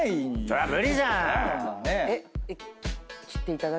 それは無理じゃん。